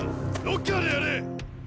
ロッカーでやれ！